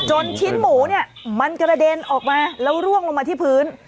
ชิ้นหมูเนี่ยมันกระเด็นออกมาแล้วร่วงลงมาที่พื้น